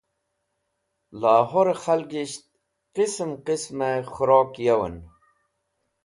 Lahore Khalgisht Qism Qisme Khorok Yawen